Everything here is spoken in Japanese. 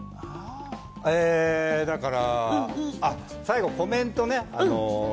だから、最後コメントね。